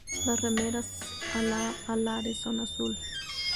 Las remeras alares son azules.